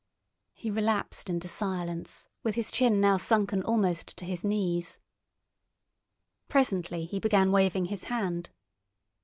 He relapsed into silence, with his chin now sunken almost to his knees. Presently he began waving his hand.